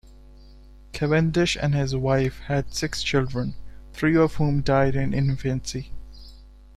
Cavendish and his wife had six children, three of whom died in infancy.